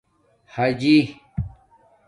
حآجِی